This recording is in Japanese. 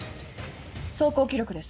走行記録です。